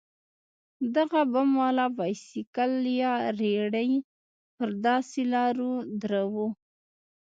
دغه بم والا بايسېکل يا رېړۍ پر داسې لارو دروو.